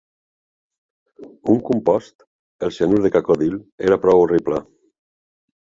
Un compost, el cianur de cacodil, era prou horrible.